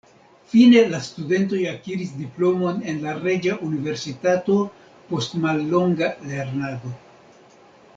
Fine la studentoj akiris diplomon en la Reĝa Universitato post mallonga lernado.